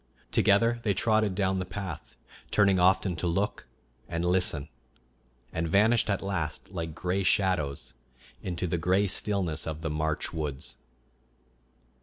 Together they trotted down the path, turning often to look and listen, and vanished at last, like gray shadows, into the gray stillness of the March woods.